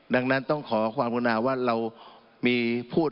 ดังนั้นต้องขอความกุณาว่าเรามีพูด